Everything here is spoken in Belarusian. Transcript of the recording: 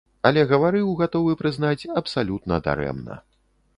Але гаварыў, гатовы прызнаць, абсалютна дарэмна.